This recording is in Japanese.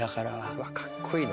うわっかっこいいな。